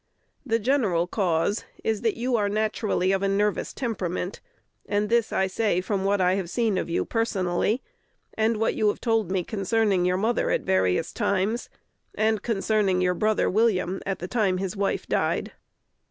The general cause is, that you are naturally of a nervous temperament, and this I say from what I have seen of you personally, and what you have told me concerning your mother at various times, and concerning your brother William at the time his wife died.